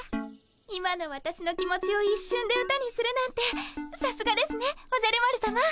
今のわたしの気持ちを一瞬で歌にするなんてさすがですねおじゃる丸さま。